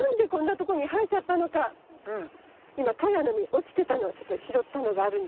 今カヤの実落ちてたのちょっと拾ったのがあるんですけど。